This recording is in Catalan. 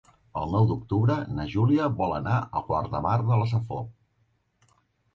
El nou d'octubre na Júlia vol anar a Guardamar de la Safor.